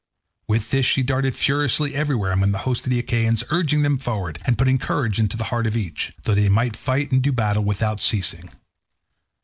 With this she darted furiously everywhere among the hosts of the Achaeans, urging them forward, and putting courage into the heart of each, so that he might fight and do battle without ceasing.